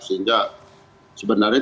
sehingga sebenarnya tidak